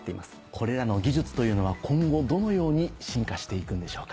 これらの技術というのは今後どのように進化していくんでしょうか？